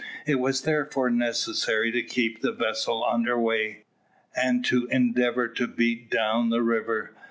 It was therefore necessary to keep the vessel under weigh, and to endeavour to beat down the river.